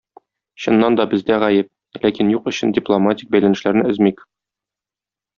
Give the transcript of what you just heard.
Чыннан да бездә гаеп, ләкин юк өчен дипломатик бәйләнешләрне өзмик